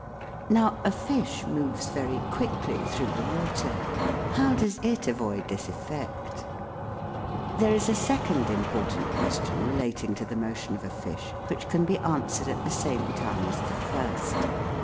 Now a fish moves very quickly through the water. How does it avoid this effect ? There is a second important question relating to the motion of a fish which can be answered at the same time as the first.